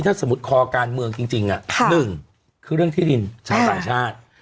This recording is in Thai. ถ้าสมมติคอการเมืองจริงหนึ่งแหล่งที่ดินชาติสรรค์ชาติ